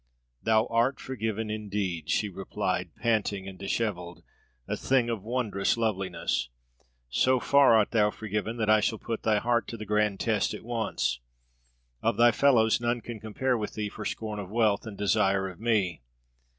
"Thou art forgiven indeed!" she replied, panting and disheveled, a thing of wondrous loveliness. "So far art thou forgiven that I shall put thy heart to the grand test at once. Of thy fellows none can compare with thee for scorn of wealth and desire of me.